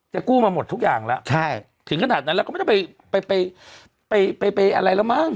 กู้มาหมดทุกอย่างแล้วใช่ถึงขนาดนั้นแล้วก็ไม่ต้องไปไปอะไรแล้วมั้ง